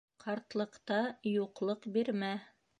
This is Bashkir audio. Ҡартлыҡта юҡлыҡ бирмә